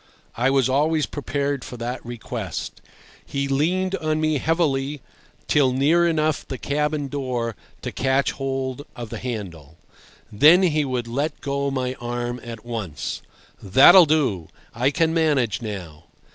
I was always prepared for that request. He leaned on me heavily till near enough the cabin door to catch hold of the handle. Then he would let go my arm at once. "That'll do. I can manage now."